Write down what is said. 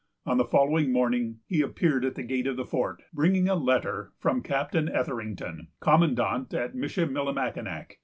On the following morning, he appeared at the gate of the fort, bringing a letter from Captain Etherington, commandant at Michillimackinac.